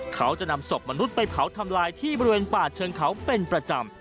เขาจะนำศพมนุษย์ไปเผาทำลายที่บริเวณป่าเชิงเขาเป็นประจำ